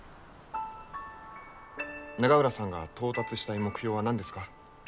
永浦さんが到達したい目標は何ですか？